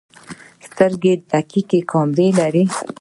سترګې دقیق کیمرې دي.